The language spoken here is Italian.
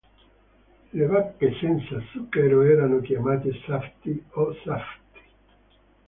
Le bacche senza zucchero erano chiamate zapti o zafti.